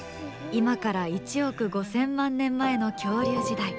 今から１億５０００万年前の恐竜時代。